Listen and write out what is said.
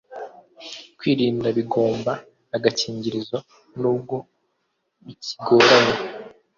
kwirinda bigomba agakingirizo n’ubwo bikigoranye.